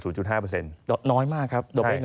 โดยเงินฝากน้อยมากครับ